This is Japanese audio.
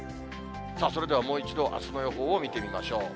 さあそれでは、もう一度、あすの予報を見てみましょう。